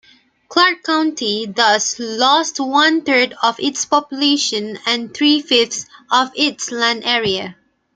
Clarke County thus lost one-third of its population and three-fifths of its land area.